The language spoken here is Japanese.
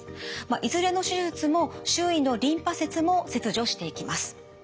いずれの手術も周囲のリンパ節も切除していきます。